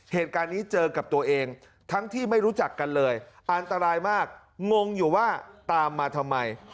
เหตุการณ์นี้เจอกับตัวเองทั้งที่ไม่รู้จักกันเลยอันตรายมากงงอยู่ว่าตามมาทำไม